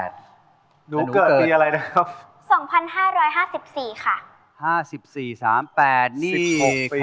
หนูเกิดปีอะไรนะครับ